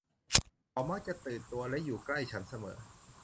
เขามักจะตื่นตัวและอยู่ใกล้ฉันเสมอ